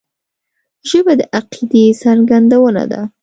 ژبه د عقیدې څرګندونه ده